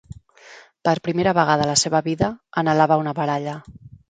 Per primera vegada a la seva vida, anhelava una baralla.